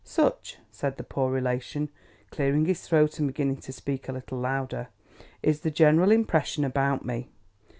Such (said the poor relation, clearing his throat and beginning to speak a little louder) is the general impression about me.